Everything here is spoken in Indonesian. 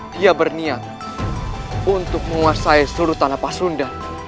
dia berniat untuk menguasai seluruh talapah sunda